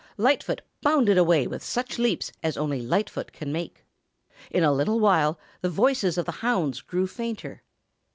Lightfoot bounded away with such leaps as only Lightfoot can make. In a little while the voices of the hounds grew fainter.